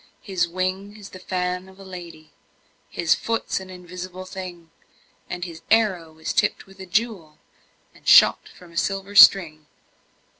His wing is the fan of a lady, His foot's an invisible thing, And his arrow is tipped with a jewel, And shot from a silver string.